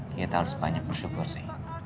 kita harus banyak bersyukur sih